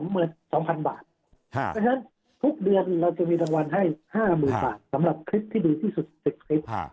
เพราะฉะนั้นทุกเดือนเราจะมีรางวัลให้๕๐๐๐บาทสำหรับคลิปที่ดีที่สุดในคลิป